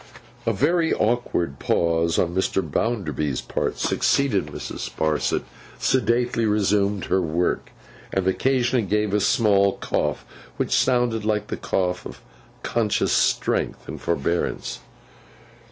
A very awkward pause on Mr. Bounderby's part, succeeded. Mrs. Sparsit sedately resumed her work and occasionally gave a small cough, which sounded like the cough of conscious strength and forbearance.